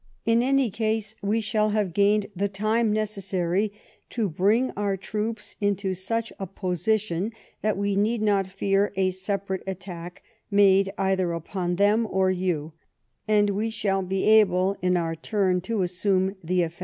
In any case, we shall have gained the time necessary to bring our troops into such a position that we need not fear a separate attack made either upon them or you, and we shall be able, in our turn, to assume the offensive."